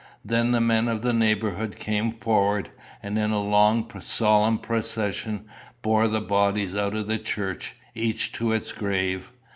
Then the men of the neighbourhood came forward, and in long solemn procession bore the bodies out of the church, each to its grave.